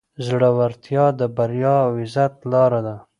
زړورتیا د بریا او عزت لاره ده.